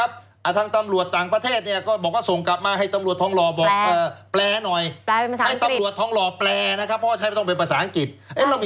บอสเห็นมั้ยจนป่านี้ก็เงียบอีกตำรวจทั้งทองรอเขาบอกว่า